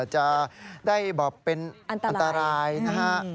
จะได้แบบเป็นอันตรายนะฮะ